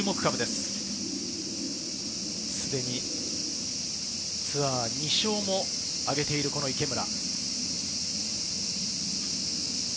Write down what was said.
すでにツアー２勝も挙げている、池村。